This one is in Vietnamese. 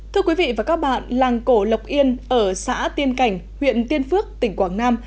thưa quý vị và các bạn làng cổ lộc yên ở xã tiên cảnh huyện tiên phước tỉnh quảng nam